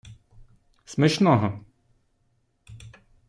Смачного!